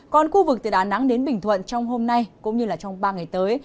còn khu vực từ đà nẵng đến bình thuận trong hôm nay cũng như trong ba ngày tới